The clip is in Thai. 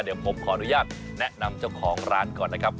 เดี๋ยวผมขออนุญาตแนะนำเจ้าของร้านก่อนนะครับ